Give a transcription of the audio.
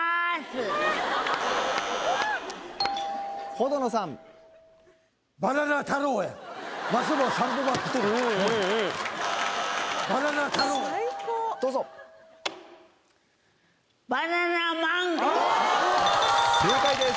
程野さんバナナ太郎やどうぞ正解です